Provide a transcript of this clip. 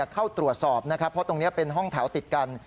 เข้าตรวจสอบนะครับเพราะตรงนี้เป็นห้องแถวติดกัน